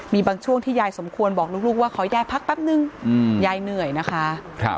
มีบางช่วงที่ยายสมควรบอกลูกว่าขอยายพักแป๊บนึงยายเหนื่อยนะคะ